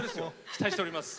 期待しております。